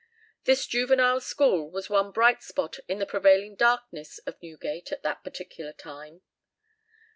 This juvenile school was one bright spot in the prevailing darkness of Newgate at that particular time.